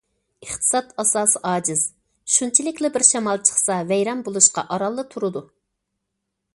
ئىقتىساد ئاساسى ئاجىز، شۇنچىلىكلا بىر شامال چىقسا ۋەيران بولۇشقا ئارانلا تۇرىدۇ.